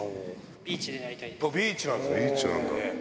ビーチなんだ。